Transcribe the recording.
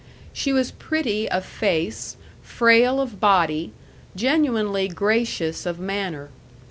She was pretty of face, frail of body, genuinely gracious of manner.